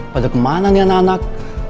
pada kemana nih anak anak